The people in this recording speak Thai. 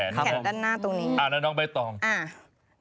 แขนด้านหน้าตรงนี้อ่าแล้วน้องใบตองอ่า